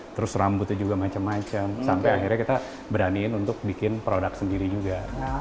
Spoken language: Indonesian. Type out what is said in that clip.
terus rambutnya juga macam macam sampai akhirnya kita beraniin untuk bikin produk sendiri juga